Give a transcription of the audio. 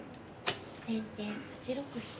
先手８六飛車。